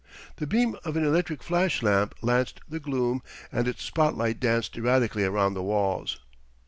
The beam of an electric flash lamp lanced the gloom and its spotlight danced erratically round the walls.